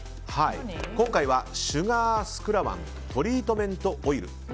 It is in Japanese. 今回はシュガースクワラントリートメントオイル。